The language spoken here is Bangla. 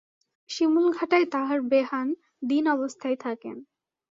শিমুলঘাটায় তাঁহার বেহান দীন অবস্থায় থাকেন।